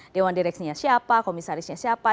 dewan direksinya siapa komisarisnya siapa